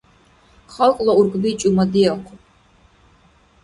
Халкьла уркӏби чӏумадиахъуб